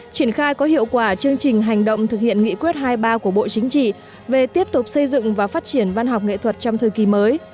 triển khai có hiệu quả chương trình hành động thực hiện nghị quyết hai mươi ba của bộ chính trị về tiếp tục xây dựng và phát triển văn học nghệ thuật trong thời kỳ mới